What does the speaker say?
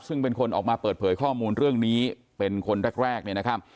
ซึ่งเป็นคนออกมาเปิดเผยข้อมูลเรื่องนี้เป็นคนแรกเนี่ยนะครับ